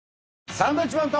サンドウィッチマンと。